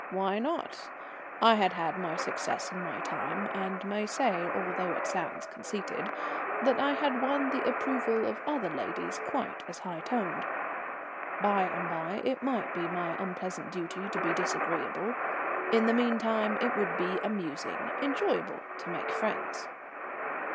Why not? I had had my successes in my time, and may say, although it sounds conceited, that I had won the approval of other ladies quite as high toned. By and by it might be my unpleasant duty to be disagreeable. In the meantime it would be amusing, enjoyable, to make friends.